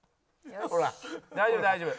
大丈夫大丈夫。